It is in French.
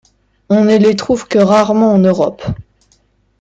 On ne les trouve que rarement en Europe.